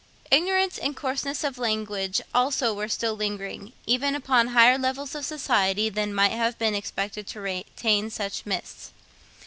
Ignorance and coarseness of language also were still lingering even upon higher levels of society than might have been expected to retain such mists.